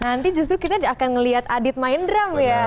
nanti justru kita akan melihat adit main drum ya